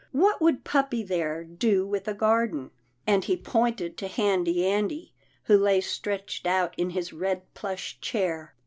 What would puppy, there, do with a garden?" and he pointed to Handy Andy who lay stretched out in his red plush chair.